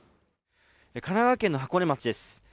神奈川県の箱根町です